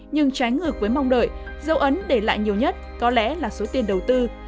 nhưng trái ngược với mong đợi dấu ấn để lại nhiều nhất có lẽ là số tiền đầu tư